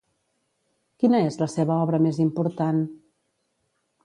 Quina és la seva obra més important?